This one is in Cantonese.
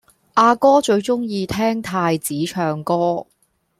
阿哥最鍾意聽太子唱歌